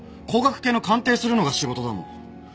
工学系の鑑定するのが仕事だもん。